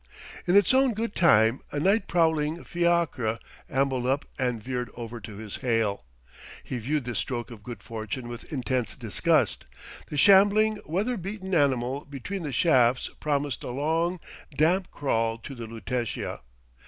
In its own good time a night prowling fiacre ambled up and veered over to his hail. He viewed this stroke of good fortune with intense disgust: the shambling, weather beaten animal between the shafts promised a long, damp crawl to the Lutetia.